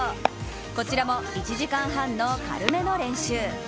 こちらも１時間半の軽めの練習。